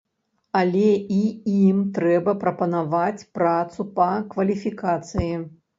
Але і ім трэба прапанаваць працу па кваліфікацыі.